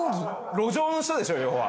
路上の人でしょ要は。